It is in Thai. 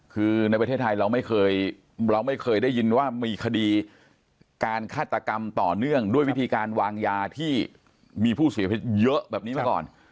คือในประเทศไทยเราไม่เคยเราไม่เคยได้ยินว่ามีคดีการฆาตกรรมต่อเนื่องด้วยวิธีการวางยาที่มีผู้เสียชีวิตเยอะแบบนี้มาก่อน